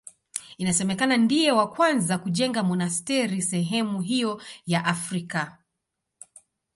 Inasemekana ndiye wa kwanza kujenga monasteri sehemu hiyo ya Afrika.